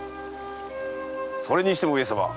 それにしても上様。